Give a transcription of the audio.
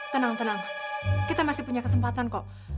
tenang tenang kita masih punya kesempatan kok